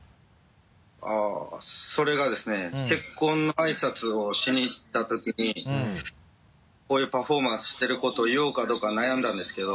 あぁそれがですね結婚のあいさつをしに行ったときにこういうパフォーマンスをしていることを言おうかどうか悩んだんですけど。